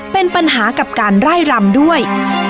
เป็นปัญหากับการไล่รำด้วย